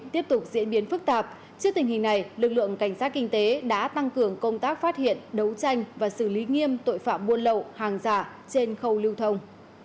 trước tình hình này lực lượng cảnh sát kinh tế đã tăng cường công tác phát hiện đấu tranh và xử lý nghiêm tội phạm buôn lậu hàng giả trên khâu lưu thông